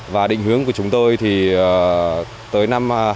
và định hướng của chúng tôi thì tới năm hai nghìn một mươi tám